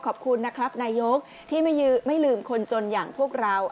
ขอบคุณนะครับนายกที่ไม่ลืมคนจนอย่างพวกเรา